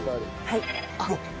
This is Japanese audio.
はい。